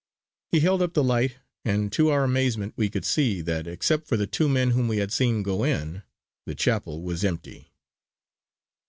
He held up the light, and to our amazement we could see that, except for the two men whom we had seen go in, the chapel was empty.